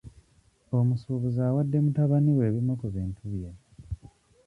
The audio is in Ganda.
Omusuubuzi awadde mutabani we ebimu ku bintu bye.